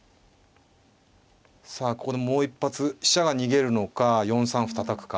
さあここでもう一発飛車が逃げるのか４三歩たたくか。